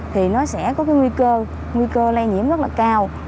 thì nó sẽ có cái nguy cơ nguy cơ lây nhiễm rất là cao